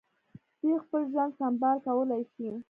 دوی خپل ژوند سمبال کولای شي.